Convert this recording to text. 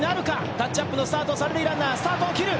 タッチアップのスタートを三塁ランナー、スタートを切る。